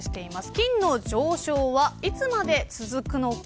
金の上昇は、いつまで続くのか。